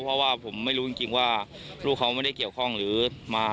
เพราะว่าผมไม่รู้จริงว่าลูกเขาไม่ได้เกี่ยวข้องหรือมา